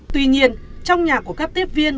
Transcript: tuy nhiên trong nhà của các tiếp viên